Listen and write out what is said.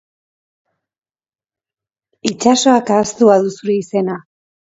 Itsasoak ahaztua du zure izena.